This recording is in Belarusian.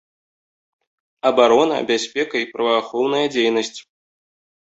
Абарона, бяспека і праваахоўная дзейнасць.